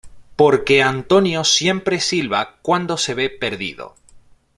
Porque Antonio siempre silba cuando se ve perdido.